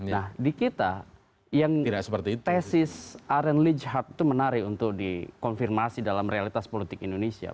nah di kita yang tesis aren lead hard itu menarik untuk dikonfirmasi dalam realitas politik indonesia